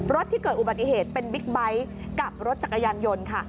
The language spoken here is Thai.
ที่เกิดอุบัติเหตุเป็นบิ๊กไบท์กับรถจักรยานยนต์ค่ะ